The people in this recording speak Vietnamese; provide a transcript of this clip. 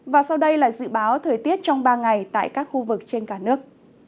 và sau đây là dự báo thời tiết trong ba ngày tại các khu vực trên cả nước